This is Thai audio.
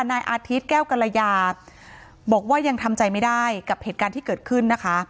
นายอาทิตย์แก้วกรยาบอกว่ายังทำใจไม่ได้กับเหตุการณ์ที่เกิดขึ้นนะคะ